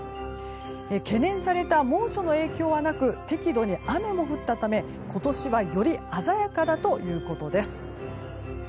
懸念された猛暑の影響はなく適度に雨も降ったため、今年はより鮮やかだということです。